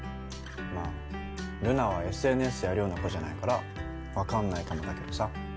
まあ留奈はＳＮＳやるような子じゃないから分かんないかもだけどさ。